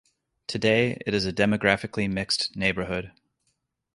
Today, it is a demographically mixed neighborhood.